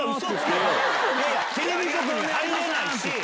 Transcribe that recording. テレビ局に入れないし！